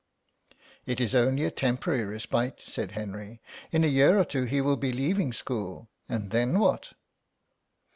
"It is only a temporary respite," said Henry; "in a year or two he will be leaving school, and then what?"